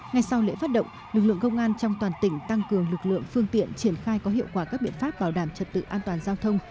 ngay sau lễ phát động lực lượng công an trong toàn tỉnh tăng cường lực lượng phương tiện triển khai có hiệu quả các biện pháp bảo đảm trật tự an toàn giao thông